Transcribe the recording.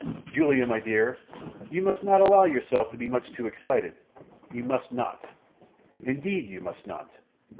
Julia, my dear, you must not allow yourself to be too much excited, you must not. Indeed you must not.